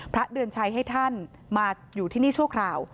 พระเดือนชัยให้ท่านมาอยู่ที่นี่ชั่วคราว